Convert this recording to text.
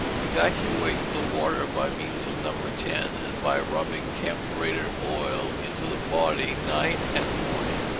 Evacuate the water by means of No. 10, and by rubbing camphorated oil into the body night and morning.